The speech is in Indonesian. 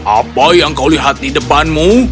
apa yang kau lihat di depanmu